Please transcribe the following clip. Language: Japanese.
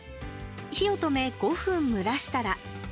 火を止め、５分蒸らしたら。